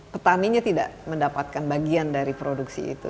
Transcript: petaninya tidak mendapatkan bagian dari produksi itu